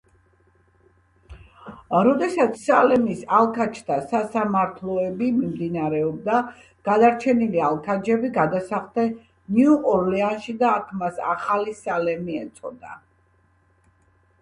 როდესაც სალემის ალქაჯთა სასამართლოები მიმდინარეობდა, გადარჩენილი ალქაჯები გადასახლდნენ ნიუ-ორლეანში და მას ახალი სალემი ეწოდა.